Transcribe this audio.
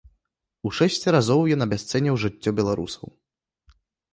У шэсць разоў ён абясцэніў жыццё беларусаў.